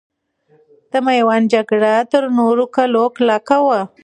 د میوند جګړه تر نورو کلکو وه.